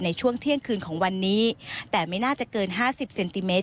ในช่วงเที่ยงคืนของวันนี้แต่ไม่น่าจะเกินห้าสิบเซนติเมต